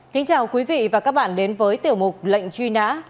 kính chào quý vị và các bạn đến với tiểu mục lệnh truy nã